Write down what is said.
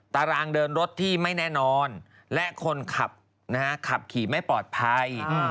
ตารางเดินรถที่ไม่แน่นอนและคนขับขับขี่ไม่ปลอดภัย